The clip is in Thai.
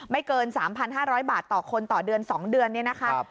เกิน๓๕๐๐บาทต่อคนต่อเดือน๒เดือนเนี่ยนะคะ